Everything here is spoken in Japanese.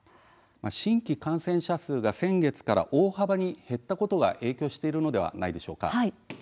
新規感染者数が先月から大幅に減ったことが影響しているのではないでしょうか。